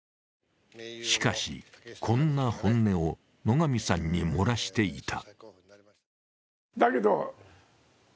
しかし、こんな本音を野上さんに漏らしていた。